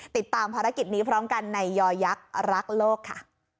ติดตามภารกิจนี้พร้อมกันในยอยักษ์รักโลกค่ะ